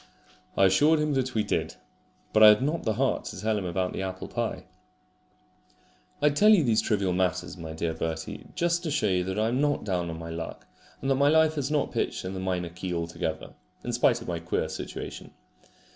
I assured him that we did; but I had not the heart to tell him about the apple pie. I tell you these trivial matters, my dear Bertie, just to show you that I am not down on my luck, and that my life is not pitched in the minor key altogether, in spite of my queer situation.